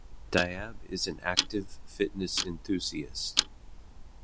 Diab is an active fitness enthusiast.